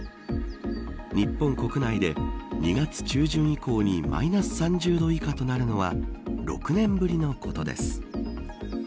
日本国内で２月中旬以降にマイナス３０度以下となるのは６年ぶりのことです。